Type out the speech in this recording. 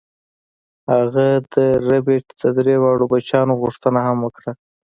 هغه د ربیټ د درې واړو بچیانو غوښتنه هم وکړه